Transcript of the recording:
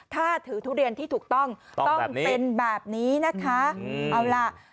ถ้าถือทุเรียนที่ถูกต้องต้องเป็นแบบนี้นะคะเอาล่ะ